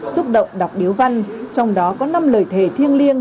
xúc động đọc biếu văn trong đó có năm lời thề thiêng liêng